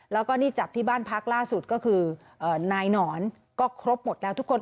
แล้วก็นี่จับที่บ้านพักล่าสุดก็คือนายหนอนก็ครบหมดแล้วทุกคน